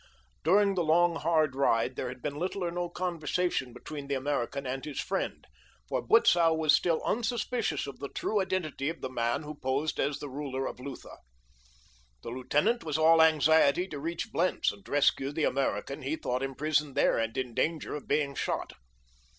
During the long, hard ride there had been little or no conversation between the American and his friend, for Butzow was still unsuspicious of the true identity of the man who posed as the ruler of Lutha. The lieutenant was all anxiety to reach Blentz and rescue the American he thought imprisoned there and in danger of being shot.